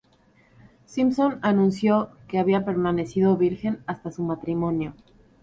Simpson anunció que había permanecido virgen hasta su matrimonio.